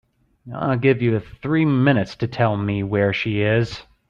I'll give you three minutes to tell me where she is.